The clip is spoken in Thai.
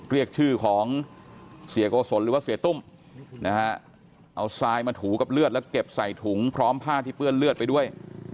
เรียกชื่อของเสียโกศลหรือว่าเสียตุ้มนะฮะเอาทรายมาถูกับเลือดแล้วเก็บใส่ถุงพร้อมผ้าที่เปื้อนเลือดไปด้วย